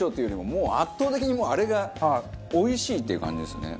もう圧倒的にあれがおいしいっていう感じですね。